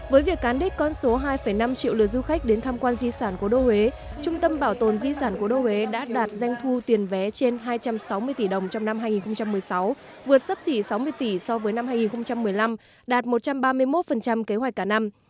với việc cán đích con số hai năm triệu lượt du khách đến tham quan di sản của đô huế trung tâm bảo tồn di sản của đô huế đã đạt doanh thu tiền vé trên hai trăm sáu mươi tỷ đồng trong năm hai nghìn một mươi sáu vượt sấp xỉ sáu mươi tỷ so với năm hai nghìn một mươi năm đạt một trăm ba mươi một kế hoạch cả năm